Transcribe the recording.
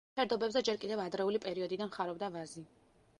ფერდობებზე ჯერ კიდევ ადრეული პერიოდიდან ხარობდა ვაზი.